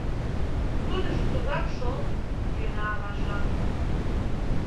— Тудыжо тугак шол! — кӧна аважат.